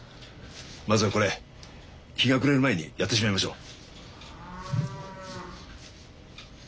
まずはこれ日が暮れる前にやってしまいましょう。